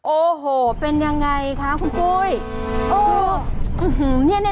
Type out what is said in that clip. โอ้โหเป็นยังไงคะคุณกุ้ยอ๋องี้ยหน่อย